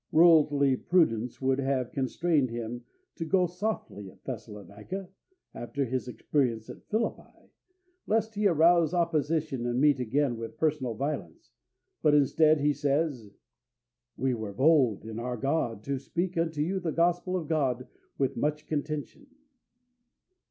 Worldly prudence would have constrained him to go softly at Thessalonica, after his experience at Philippi, lest he arouse opposition and meet again with personal violence; but, instead, he says: "We were bold in our God to speak unto you the Gospel of God with much contention."